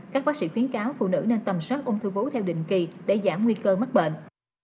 các bác sĩ khuyến cáo phụ nữ nên tầm soát ung thư vú theo định kỳ để giảm nguy cơ mắc bệnh